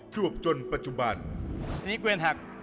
ทรวบจนปัจจุบัน